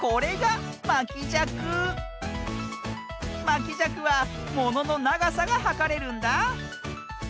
まきじゃくはもののながさがはかれるんだ。